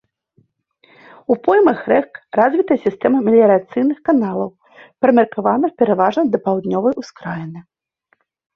У поймах рэк развіта сістэма меліярацыйных каналаў, прымеркаваных пераважна да паўднёвай ускраіны.